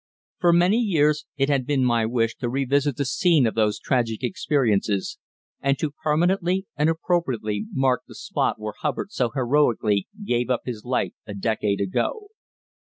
For many years it had been my wish to re visit the scene of those tragic experiences, and to permanently and appropriately mark the spot where Hubbard so heroically gave up his life a decade ago.